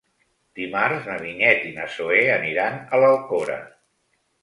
Dimarts na Vinyet i na Zoè aniran a l'Alcora.